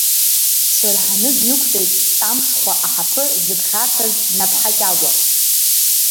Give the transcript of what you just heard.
Дцәырҳаны дҩықәтәеит Ҭамшхәа аҳаԥы зыԥхьарҭаз Наԥҳа Кьагәа.